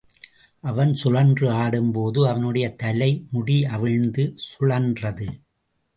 அவன் சுழன்று ஆடும்போது அவனுடைய தலைமுடியவிழ்ந்து சுழன்றது.